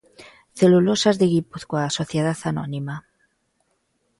Celulosas de Guipúzcoa, Sociedad Anónima.